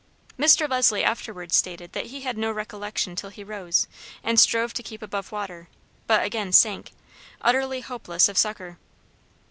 Mr. Leslie afterwards stated that he had no recollection till he rose, and strove to keep above water, but again sank, utterly hopeless of succor.